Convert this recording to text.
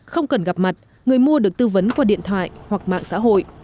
không cần gặp mặt người mua được tư vấn qua điện thoại hoặc mạng xã hội